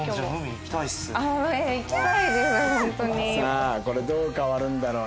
さあこれどう変わるんだろうな。